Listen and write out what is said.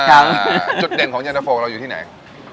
อ่าจุดเด่นของยันตราโฟของเราอยู่ที่ไหน